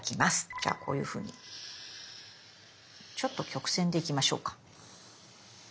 じゃあこういうふうにちょっと曲線で行きましょうか。